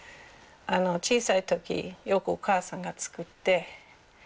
小さい時よくお母さんが作って。